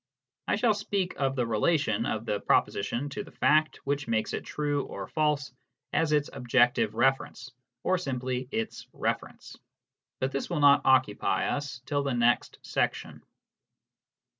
I shall speak of the relation of the proposition to the fact which makes it true or false as its " objective reference," or simply its " reference." But this will not occupy us till the next section.